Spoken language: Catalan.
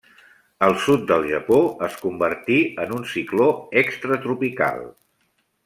Al sud del Japó es convertí en un cicló extratropical.